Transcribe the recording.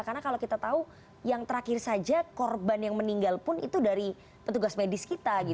karena kalau kita tahu yang terakhir saja korban yang meninggal pun itu dari petugas medis kita